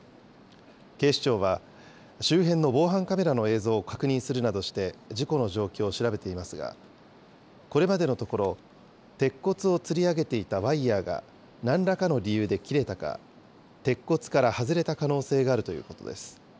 警視庁は、周辺の防犯カメラの映像を確認するなどして、事故の状況を調べていますが、これまでのところ、鉄骨をつり上げていたワイヤーが、なんらかの理由で切れたか、鉄骨から外れた可能性があるということです。